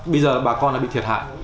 bây giờ bà con là bị thiệt hại